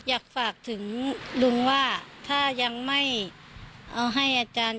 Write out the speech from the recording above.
อยากฝากถึงลุงว่าถ้ายังไม่เอาให้อาจารย์